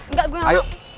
nggak gue mau